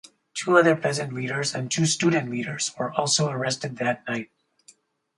Two other peasant leaders and two student leaders were also arrested that night.